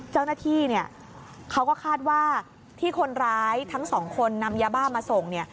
เจ้าหน้าที่เนี่ยเขาก็คาดว่าที่คนร้ายทั้งสองคนนำยาบ้ามาส่งเนี่ย